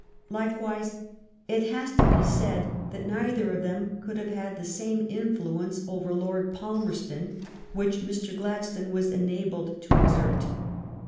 Like wise, it has to be said that neither of them could have had the same influence over Lord Palmer ston which Mr. Gladstone was enabled to exert.